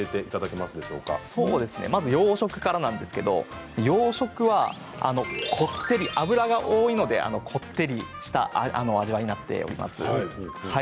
まず養殖からですがこってり脂が多いのでこってりした味わいになっています。